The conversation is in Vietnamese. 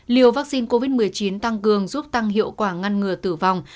liều vaccine covid một mươi chín tăng cường giúp tăng hiệu quả ngăn ngừa tử vong